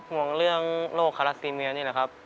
ห่วงเรื่องโรคคาราซีเมียนี่แหละครับ